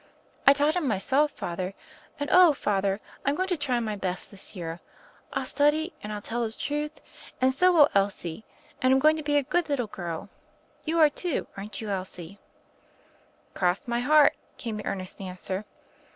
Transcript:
"I taught him myself, Father; and, oh, Father, I'm going to try my best this year. I'll study, and I'll tell the truth — and so will Elsie — and I'm going to be a good little girl. You are, too, aren't you, Elsie ?" "Cross my heart," came the earnest answer.